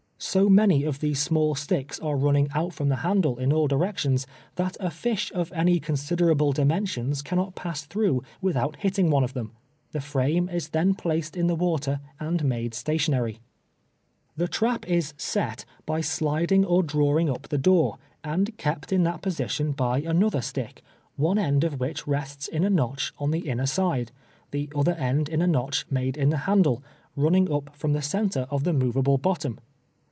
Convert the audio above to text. So many of these small sticks are running out from the handle in all direc tions, tliat a ii^li of any considerable dimensions can not pass through without hitting one of them. The frame is then placed in the water and made sta tionary. DE30EIPTI0X OF THE FISH TRAP. 203 Tlie trap is " set" by sliding or drawing up the door, and kept in that position by another stick, one end of which rests in a notch on the inner side, the other end in a notch made in the handle, running up from the centre of the movable bottom.